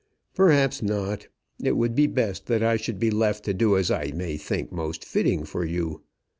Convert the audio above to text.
"Perhaps not. It would be best that I should be left to do as I may think most fitting for you.